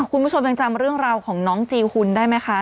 คุณผู้ชมยังจำเรื่องราวของน้องจีหุ่นได้ไหมคะ